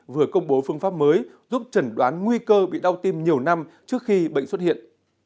vừa công bố phương pháp mới giúp trần đoán nguy cơ bị đau tim nhiều năm trước khi bệnh xuất hiện